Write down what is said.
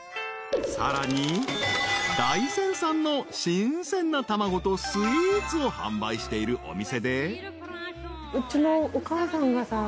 ［さらに大山産の新鮮な卵とスイーツを販売しているお店で］えっ！？